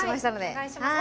お願いします。